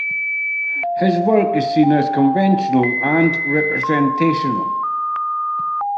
His work is seen as conventional and representational.